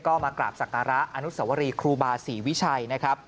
ก็มากราบศักระอนุสวรีครูบาศรีวิชัยนะครับ